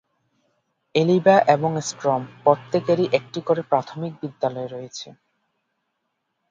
এলিভা এবং স্ট্রম প্রত্যেকেরই একটি করে প্রাথমিক বিদ্যালয় রয়েছে।